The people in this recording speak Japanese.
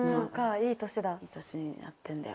いい年になってんだよ。